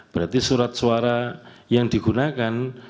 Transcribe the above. berarti surat suara yang digunakan